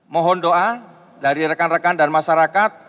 mohon doa dari rekan rekan dan masyarakat